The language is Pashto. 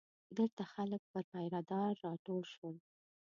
دلته خلک پر پیره دار راټول شول.